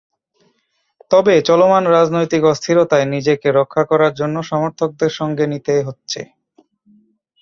তবে চলমান রাজনৈতিক অস্থিরতায় নিজেকে রক্ষা করার জন্য সমর্থকদের সঙ্গে নিতে হচ্ছে।